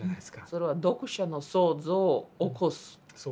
それは読者の想像を起こす。